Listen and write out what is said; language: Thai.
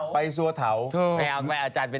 ไปสวดเถา